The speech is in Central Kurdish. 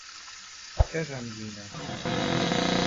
کە خەمگینە